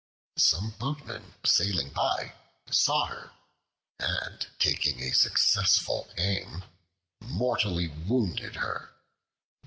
Some boatmen sailing by saw her, and taking a successful aim, mortally wounded her.